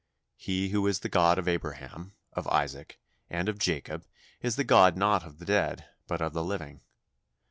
He who is the God of Abraham, of Isaac, and of Jacob is the God not of the dead, but of the living.